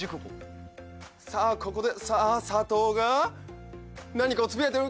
さあここでさあ佐藤が何かをつぶやいている。